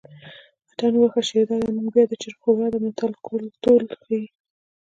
اتڼ وهه شیرداده نن بیا د چرګ ښوروا ده متل کولتور ښيي